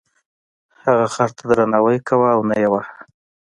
هغه خر ته درناوی کاوه او نه یې واهه.